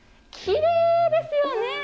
きれいですよね。